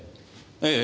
ええ。